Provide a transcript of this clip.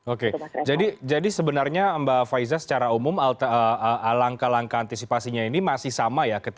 oke jadi sebenarnya mbak faiza secara umum langkah langkah antisipasinya ini masih sama ya